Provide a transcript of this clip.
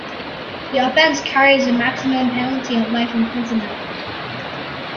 The offence carries a maximum penalty of life imprisonment.